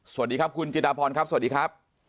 สวัสดีครับคุณจิดาพรครับสวัสดีครับ